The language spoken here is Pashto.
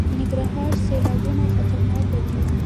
د ننګرهار سیلابونه خطرناک دي